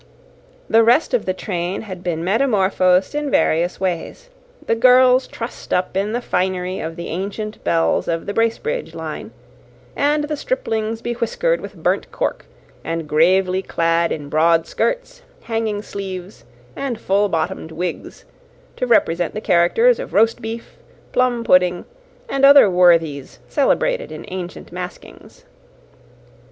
The rest of the train had been metamorphosed in various ways; the girls trussed up in the finery of the ancient belles of the Bracebridge line, and the striplings bewhiskered with burnt cork, and gravely clad in broad skirts, hanging sleeves, and full bottomed wigs, to represent the characters of Roast Beef, Plum Pudding, and other worthies celebrated in ancient maskings.